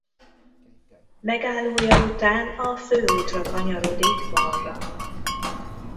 Megállója után a Fő útra kanyarodik balra.